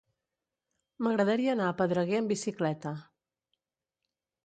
M'agradaria anar a Pedreguer amb bicicleta.